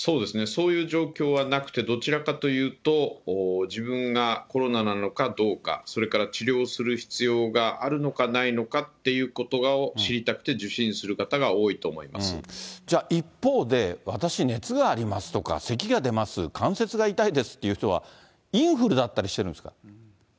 そういう状況はなくて、どちらかというと自分がコロナなのかどうか、それから治療する必要があるのかないのかっていうことを知りたくじゃあ一方で、私、熱がありますとか、せきが出ます、関節が痛いですという人は、インフルだったりしてるんですか。